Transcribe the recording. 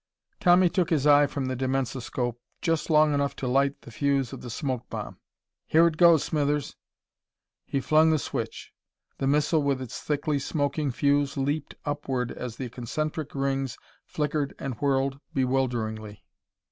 Tommy took his eye from the dimensoscope just long enough to light the fuse of the smoke bomb. "Here it goes, Smithers!" He flung the switch. The missile with its thickly smoking fuse leaped upward as the concentric rings flickered and whirled bewilderingly.